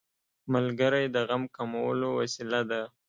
ملګری د غم کمولو وسیله ده